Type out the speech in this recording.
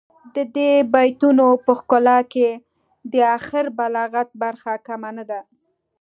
د دې بیتونو په ښکلا کې د اخر بلاغت برخه کمه نه ده.